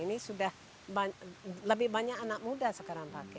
ini sudah lebih banyak anak muda sekarang pakai